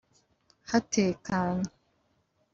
hatekanye